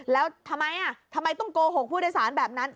แล้วทำไมทำไมต้องโกหกผู้โดยสารแบบนั้น